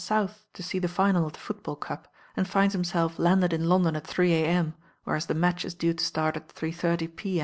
outh to .ee Ae final of the footbaU cup, and find. him.elf landed Z l;^"i°1 !l three a.m.. wherea. the match i. due to .tart at three thirty p.